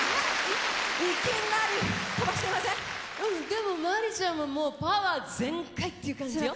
でもマリちゃんももうパワー全開っていう感じよ。